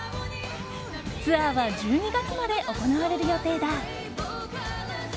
ツアーは１２月まで行われる予定だ。